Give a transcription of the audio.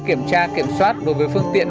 kiểm tra kiểm soát đối với phương tiện